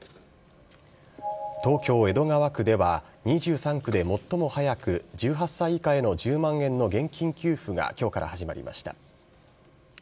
東京・江戸川区では、２３区で最も早く１８歳以下への１０万円の現金給付がきょうから始まりました。